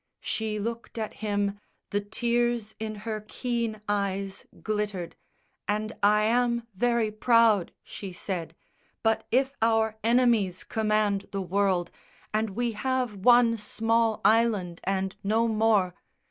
She looked at him, the tears in her keen eyes Glittered "And I am very proud," she said, "But if our enemies command the world, And we have one small island and no more...."